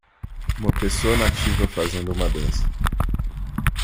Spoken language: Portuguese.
Uma pessoa nativa fazendo uma dança.